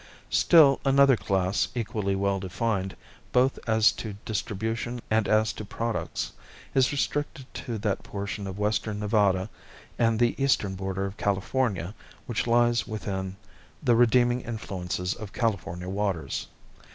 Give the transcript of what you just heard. Still another class equally well defined, both as to distribution and as to products, is restricted to that portion of western Nevada and the eastern border of California which lies within the redeeming influences of California waters.